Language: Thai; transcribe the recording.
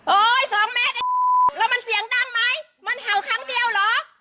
สองเมตรเองแล้วมันเสียงดังไหมมันเห่าครั้งเดียวเหรอ